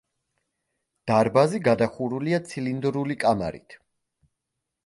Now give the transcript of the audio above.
დარბაზი გადახურულია ცილინდრული კამარით.